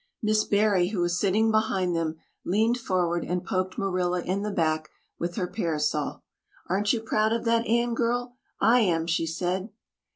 Miss Barry, who was sitting behind them, leaned forward and poked Marilla in the back with her parasol. "Aren't you proud of that Anne girl? I am," she said.